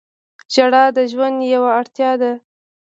• ژړا د ژوند یوه اړتیا ده.